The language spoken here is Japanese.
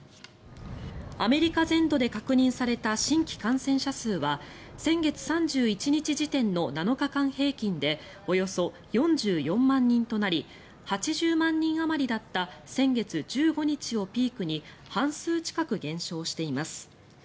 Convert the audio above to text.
アメリカ全土で確認された新規感染者数は先月３１日時点の７日間平均でおよそ４４万人となり８０万人あまりだった先月１５日をピークに半数近くに減少しています。